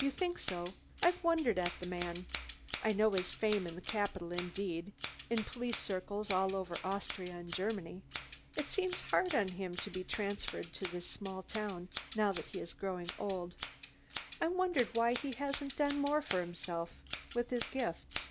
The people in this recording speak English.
"You think so? I've wondered at the man. I know his fame in the capital, indeed, in police circles all over Austria and Germany. It seems hard on him to be transferred to this small town, now that he is growing old. I've wondered why he hasn't done more for himself, with his gifts."